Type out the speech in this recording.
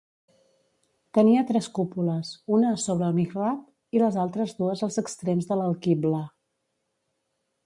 Tenia tres cúpules una sobre el mihrab i les altres dues als extrems de l'alquibla.